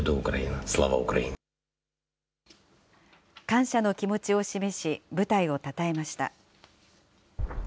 感謝の気持ちを示し、部隊をたたえました。